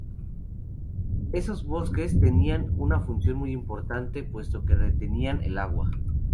Esos bosques tenían una función muy importante puesto que retenían el agua.